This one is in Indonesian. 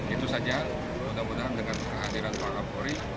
itu saja mudah mudahan dengan kehadiran pak kapolri